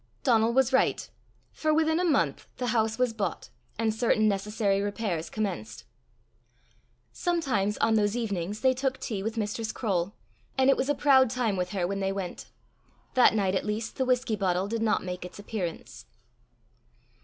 Donal was right, for within a month the house was bought, and certain necessary repairs commenced. Sometimes on those evenings they took tea with Mistress Croale, and it was a proud time with her when they went. That night at least the whisky bottle did not make its appearance.